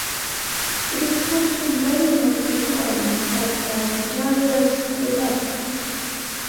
It is home to many notable foreigners, such as Darius Brubeck.